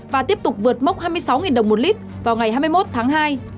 và tiếp tục vượt mốc hai mươi sáu đồng một lít vào ngày hai mươi một tháng hai